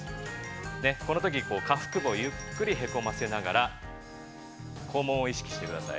このとき、下腹部をゆっくりへこませながら、肛門を意識してください。